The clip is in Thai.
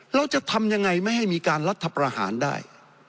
เราจะทำยังไงไม่ให้มีการรัฐประหารได้